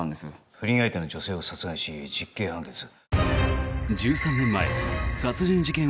不倫相手の女性を殺害し実刑判決。